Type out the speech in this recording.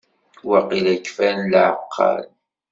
Waqila kfan lɛeqqal.